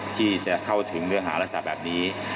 ที่จะเข้าถึงเนื้อหารักษณะแบบนี้